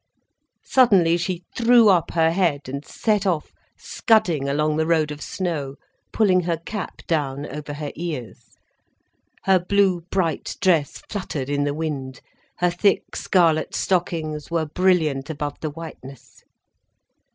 Suddenly she threw up her head and set off scudding along the road of snow, pulling her cap down over her ears. Her blue, bright dress fluttered in the wind, her thick scarlet stockings were brilliant above the whiteness.